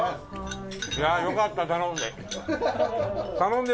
伊達：よかった、頼んで。